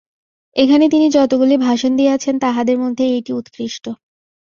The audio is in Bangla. এখানে তিনি যতগুলি ভাষণ দিয়াছেন, তাহাদের মধ্যে এইটি উৎকৃষ্ট।